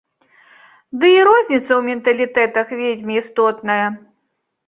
Ды і розніца ў менталітэтах вельмі істотная.